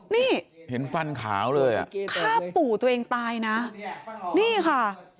นี่เห็นฟันขาวเลยอ่ะฆ่าปู่ตัวเองตายนะนี่ค่ะ